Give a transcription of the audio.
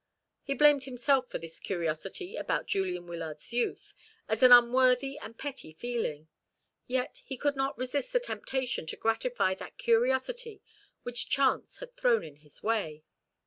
He blamed himself for this curiosity about Julian Wyllard's youth, as an unworthy and petty feeling: yet, he could not resist the temptation to gratify that curiosity which chance had thrown in his way.